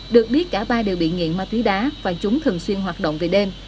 được biết cả ba đều bị nghiện ma túy đá và chúng thường xuyên hoạt động về đêm